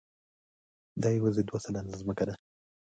دا یواځې دوه سلنه ځمکه ده.